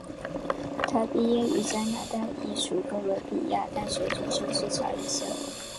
她毕业于加拿大英属哥伦比亚大学主修市场营销。